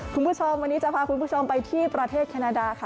คุณผู้ชมวันนี้จะพาคุณผู้ชมไปที่ประเทศแคนาดาค่ะ